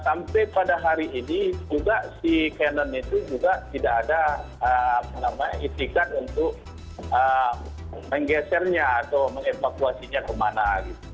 sampai pada hari ini juga si canon itu juga tidak ada apa namanya istikad untuk menggesernya atau mengevakuasinya kemana mana